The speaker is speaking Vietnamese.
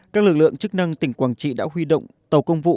các lực lượng chức năng tỉnh quảng trị đã huy động tàu công vụ